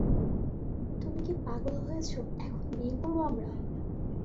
তুমি কি পাগল হয়েছ এখন বিয়ে করব আমরা?